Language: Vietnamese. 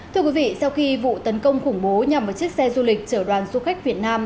thưa quý vị sau khi vụ tấn công khủng bố nhằm vào chiếc xe du lịch chở đoàn du khách việt nam